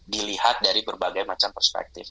dilihat dari berbagai macam perspektif